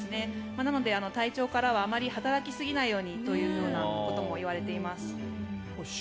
なので、隊長からはあまり働きすぎないようにということも言われています。